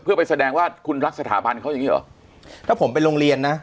เพื่อไปแสดงว่าคุณรักสถาบันเขาอย่างงี้เหรอถ้าผมไปโรงเรียนนะ